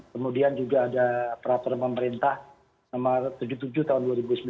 kemudian juga ada peraturan pemerintah nomor tujuh puluh tujuh tahun dua ribu sembilan belas